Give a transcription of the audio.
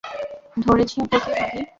ধরেছি তোকে, মাগি।